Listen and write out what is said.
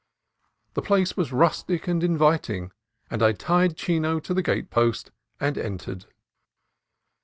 The place was rustic and inviting, and I tied Chino to the gate post and entered.